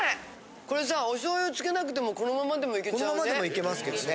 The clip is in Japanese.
これさお醤油つけなくてもこのままでもいけちゃうね。